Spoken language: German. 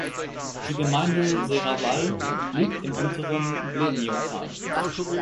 Die Gemeinde Serravalle liegt im unteren Bleniotal.